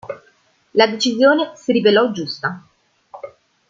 La decisione si rivelò giusta.